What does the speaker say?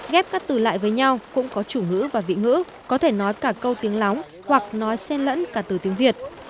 ghép các từ lại với nhau cũng có chủ ngữ và vị ngữ có thể nói cả câu tiếng lóng hoặc nói sen lẫn cả từ tiếng việt